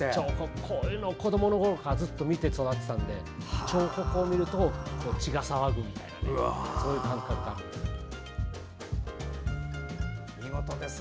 これを子どものころからずっと見て育ってたので彫刻を見ると血が騒ぐみたいなそういう感覚です。